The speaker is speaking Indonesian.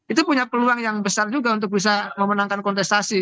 itu punya peluang yang besar juga untuk bisa memenangkan kontestasi